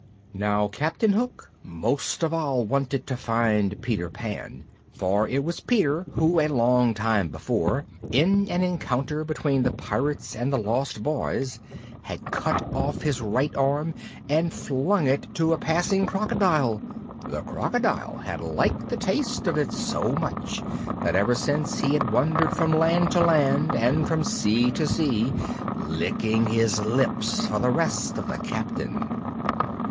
Now Captain Hook most of all wanted to find Peter Pan, for it was Peter who, a long time before, in an encounter between the Pirates and the Lost Boys, had cut off his right arm and flung it to a passing crocodile. The crocodile had liked the taste of it so much that ever since he had wandered from land to land and from sea to sea licking his lips for the rest of the Captain.